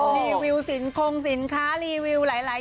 รีวิวสินคงสินค้ารีวิวหลาย